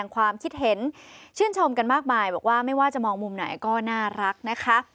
เขาก็จัดให้เหมือนกัน